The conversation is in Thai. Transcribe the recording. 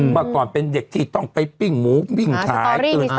ว่าก่อนเป็นเด็กที่ต้องไปปิ้งหมูปิ้งขาย